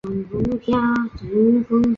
李奥波德与勒伯在芝加哥大学认识。